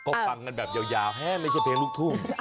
ก็ฟังกันแบบยาวไม่ใช่เพลงลูกทุ่ง